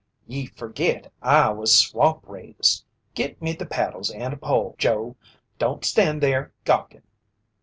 "Ye forgit I was swamp raised! Git me the paddles and a pole, Joe. Don't stand there gawkin'."